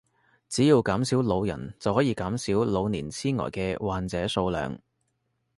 只要減少老人就可以減少老年癡呆嘅患者數量